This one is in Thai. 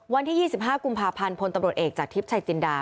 วันที่ยี่สิบห้ากุมพาพันธุ์พลตำรสเองจากทิพย์ชัยจินดา